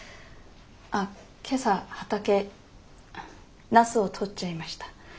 あっ今朝畑ナスをとっちゃいました。